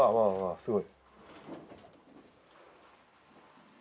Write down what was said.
すごい。